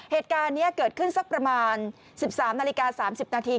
เหตุการณ์นี้เกิดขึ้นสักประมาณ๑๓นาฬิกา๓๐นาที